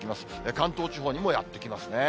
関東地方にもやって来ますね。